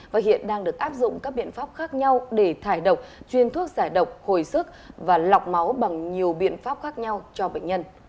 và hiện đang được áp dụng các biện pháp khác nhau để thải độc chuyên thuốc giải độc hồi sức và lọc máu bằng nhiều biện pháp khác nhau cho bệnh nhân